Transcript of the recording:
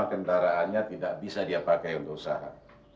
kendaraannya tidak bisa dia pakai untuk usaha